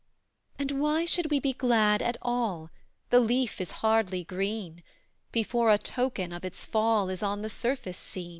"And why should we be glad at all? The leaf is hardly green, Before a token of its fall Is on the surface seen!"